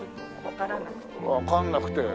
わかんなくて。